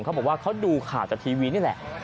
เขาบอกว่าเขาดูข่าวจากทีวีนี่แหละ